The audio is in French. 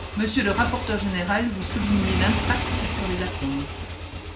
Monsieur le rapporteur général, vous soulignez l’impact sur les acomptes.